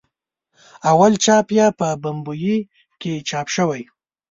اول چاپ یې په بمبئي کې چاپ شوی.